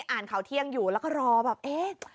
อ่านข่าวเที่ยงอยู่แล้วก็รอแบบเอ๊ะ